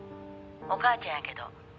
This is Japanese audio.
お母ちゃんやけど」